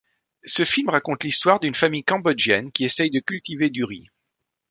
Ce film raconte l’histoire d’une famille cambodgienne qui essaye de cultiver du riz.